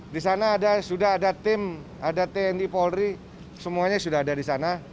di sana sudah ada tim ada tni polri semuanya sudah ada di sana